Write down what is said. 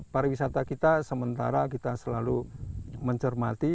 pariwisata kita sementara kita selalu mencermati